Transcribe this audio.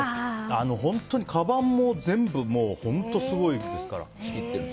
本当に、かばんも全部本当にすごいですから。